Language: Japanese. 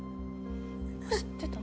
知ってた？